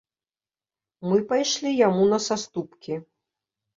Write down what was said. Мы пайшлі яму на саступкі.